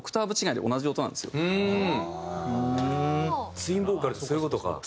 ツインボーカルってそういう事か。